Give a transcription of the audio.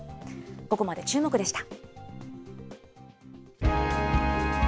ここまでチューモク！でした。